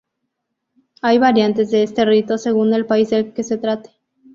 Hay variantes de este rito según el país de que se trate.